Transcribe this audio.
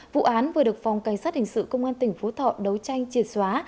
vụ án vừa được phòng cảnh sát hình sự công an tỉnh phú thọ đấu tranh triệt xóa